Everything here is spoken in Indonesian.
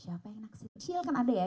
siapa yang enak sih kecil kan ada ya